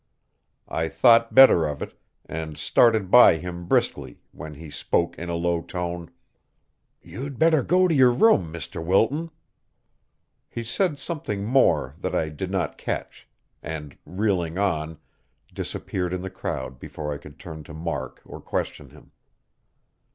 I thought better of it, and started by him briskly, when he spoke in a low tone: "You'd better go to your room, Mr. Wilton." He said something more that I did not catch, and, reeling on, disappeared in the crowd before I could turn to mark or question him.